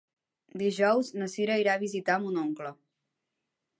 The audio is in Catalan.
Dijous na Cira irà a visitar mon oncle.